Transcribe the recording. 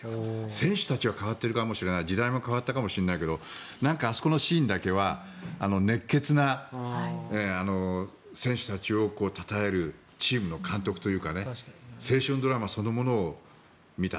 選手たちは変わっているかもしれない時代は変わったかもしれないけどなんかあそこのシーンだけは熱血な選手たちをたたえるチームの監督というか青春ドラマそのものを見た。